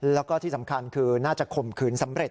แล้วก็ที่สำคัญคือน่าจะข่มขืนสำเร็จ